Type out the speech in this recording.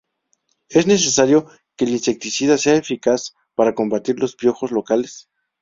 Es necesario que el insecticida sea eficaz para combatir los piojos locales.